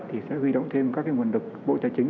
thì sẽ huy động thêm các cái nguồn lực bộ trái chính